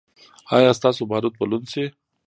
ایا ستاسو باروت به لوند شي؟